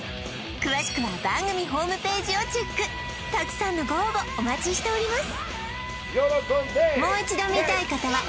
詳しくは番組ホームページをチェックたくさんのご応募お待ちしております